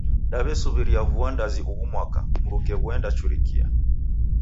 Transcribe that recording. Daw'esuw'iria vua ndazi ughu mwaka, mruke ghuenda churikia.